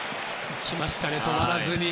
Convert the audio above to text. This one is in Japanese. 行きましたね止まらずに。